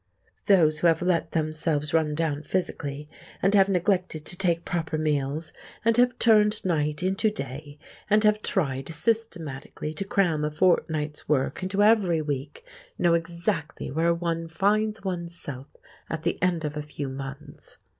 Those who have let themselves run down physically, and have neglected to take proper meals, and have turned night into day, and have tried systematically to cram a fortnight's work into every week, know exactly where one finds oneself at the end of a few months.